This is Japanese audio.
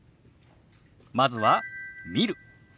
まずは「見る」。